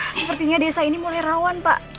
sepertinya desa ini mulai rawan pak